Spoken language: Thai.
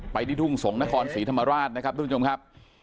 ที่ทุ่งสงศ์นครศรีธรรมราชนะครับทุกผู้ชมครับ